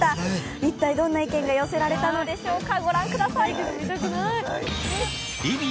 一体どんな意見が寄せられんでしょうか。